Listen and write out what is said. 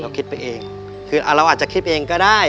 คิดไปเองคือเราอาจจะคิดเองก็ได้